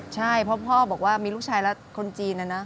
ใช่เพราะพ่อบอกว่ามีลูกชายแล้วคนจีนนะนะ